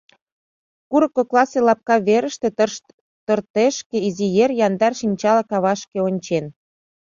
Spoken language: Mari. Курык кокласе лапка верыште тыртешке изи ер яндар шинчала кавашке ончен.